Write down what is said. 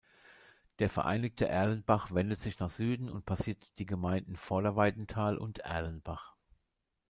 Der vereinigte Erlenbach wendet sich nach Süden und passiert die Gemeinden Vorderweidenthal und Erlenbach.